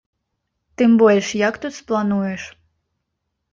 Тым больш, як тут сплануеш?